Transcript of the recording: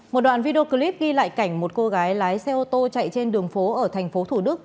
một đoạn video clip ghi lại cảnh một cô gái lái xe ô tô chạy trên đường phố ở thành phố thủ đức